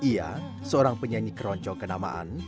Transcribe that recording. ia seorang penyanyi keroncong kenamaan